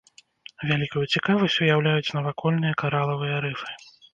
Вялікую цікавасць уяўляюць навакольныя каралавыя рыфы.